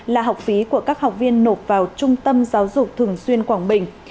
là học phí của các học viên nộp vào trung tâm giáo dục thường xuyên quảng bình